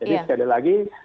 jadi sekali lagi